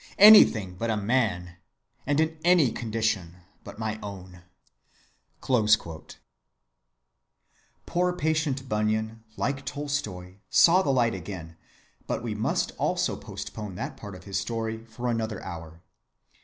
Anything but a man! and in any condition but my own."(81) Poor patient Bunyan, like Tolstoy, saw the light again, but we must also postpone that part of his story to another hour.